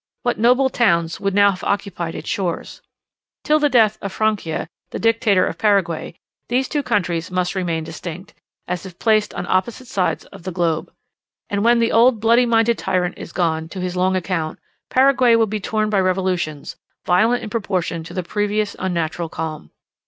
What noble towns would now have occupied its shores! Till the death of Francia, the Dictator of Paraguay, these two countries must remain distinct, as if placed on opposite sides of the globe. And when the old bloody minded tyrant is gone to his long account, Paraguay will be torn by revolutions, violent in proportion to the previous unnatural calm.